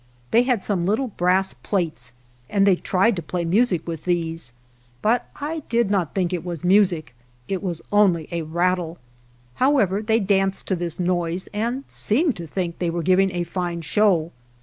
They had some little brass plates, and they tried to play music with these, but I did not think it was music — it was only a rattle. How ever, they danced to this noise and seemed to think they were giving a fine show.